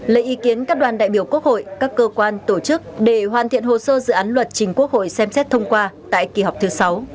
lấy ý kiến các đoàn đại biểu quốc hội các cơ quan tổ chức để hoàn thiện hồ sơ dự án luật trình quốc hội xem xét thông qua tại kỳ họp thứ sáu